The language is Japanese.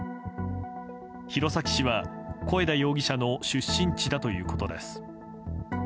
弘前市は小枝容疑者の出身地だということです。